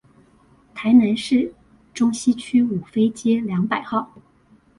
台南市中西區五妃街兩百號